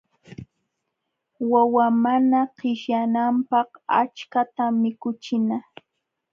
Wawa mana qishyananpaq achkatam mikuchina.